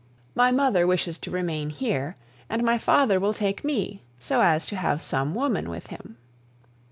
My mother wishes to remain here, and my father will take me so as to have some woman with him.